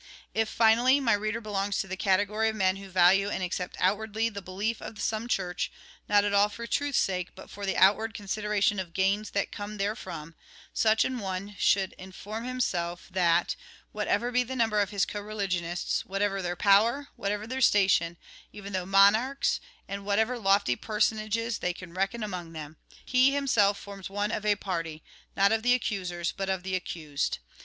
If, finally, my reader belongs to the category of men who value and accept outwardly the belief of some Church, not at all for truth's sake, but for the outward consideration of gains that come there from, such an one should inform himself that, what ever be the number of his co religionists, whatever their power, whatever their station, even though monarchs, and whatever lofty personages they can reckon among them, he himself forms one of a party, not of the accusers, but of the accused.